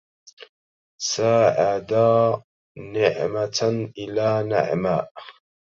سَاعدا نَعمةً إلى نَعْماءَ